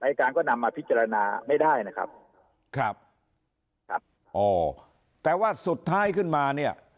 อายการก็นำมาพิจารณาไม่ได้นะครับครับครับอ๋อแต่ว่าสุดท้ายขึ้นมาเนี่ย